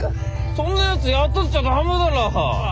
そんなやつ雇っちゃダメだろ。